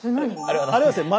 あれはですね